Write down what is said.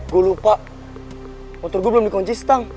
gue lupa motor gue belum dikunci setengah